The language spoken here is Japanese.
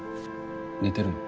寝てるの？